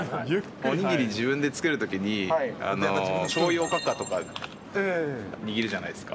お握り、自分で作るときに、しょうゆ、おかかとか握るじゃないですか。